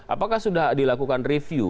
apakah sudah dilakukan review